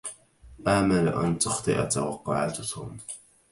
آمل أن تخطئ توقعات توم.